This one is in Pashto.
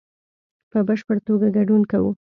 په بشپړ توګه ګډون کوو